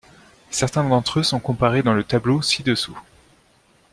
Certains d'entre eux sont comparés dans le tableau ci-dessous.